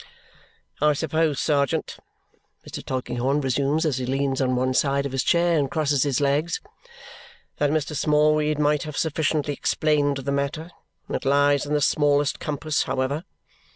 "I supposed, sergeant," Mr. Tulkinghorn resumes as he leans on one side of his chair and crosses his legs, "that Mr. Smallweed might have sufficiently explained the matter. It lies in the smallest compass, however.